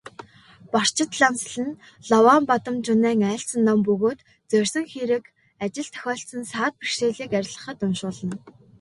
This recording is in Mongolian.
Барчидламсэл нь Ловонбадамжунайн айлдсан ном бөгөөд зорьсон хэрэг ажилд тохиолдсон саад бэрхшээлийг арилгахад уншуулна.